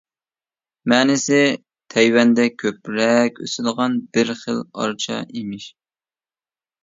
مەنىسى تەيۋەندە كۆپرەك ئۆسىدىغان بىر خىل ئارچا ئىمىش.